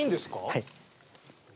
はい。